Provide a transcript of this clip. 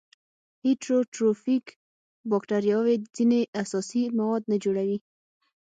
هیټروټروفیک باکتریاوې ځینې اساسي مواد نه جوړوي.